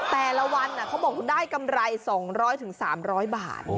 แต่ละวันเขาบอกได้กำไร๒๐๐๓๐๐บาท